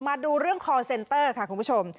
มาดูเรื่องคอร์เซนเตอร์ค่ะคุณผู้ชม